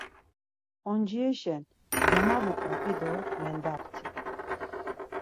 Oncireşen gamabuǩap̌i do mendapti.